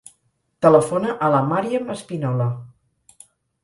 Telefona a la Màriam Espinola.